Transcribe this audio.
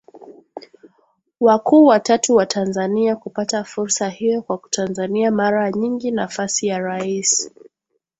wakuu watatu wa Tanzania kupata fursa hiyoKwa Tanzania mara nyingi nafasi ya Rais